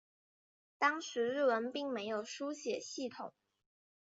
当时日文并没有书写系统。